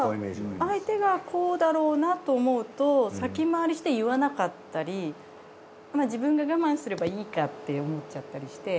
相手がこうだろうなと思うと先回りして言わなかったり自分が我慢すればいいかって思っちゃったりして。